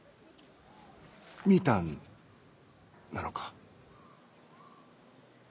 みぃたんなのか？